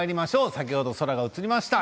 先ほど空が映りました